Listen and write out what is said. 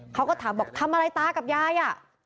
เขาก็ถามบอกทำอะไรตากับยายอ่ะ